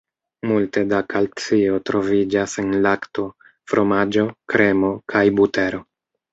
Multe da kalcio troviĝas en lakto, fromaĝo, kremo kaj butero.